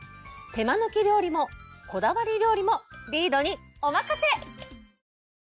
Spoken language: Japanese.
手間抜き料理もこだわり料理もリードにおまかせ！